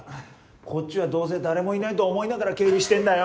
こっちはどうせ誰もいないと思いながら警備してんだよ。